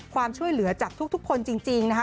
ความช่วยเหลือจากทุกคนจริงนะคะ